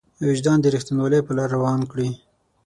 وجدان د رښتينولۍ په لاره روان کړي.